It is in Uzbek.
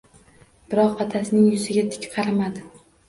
Biroq, otasining yuziga tik qaramadi.